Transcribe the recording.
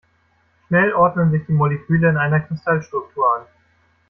Schnell ordnen sich die Moleküle in einer Kristallstruktur an.